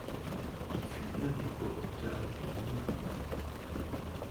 Il fut l'un des coauteurs du livre, “”.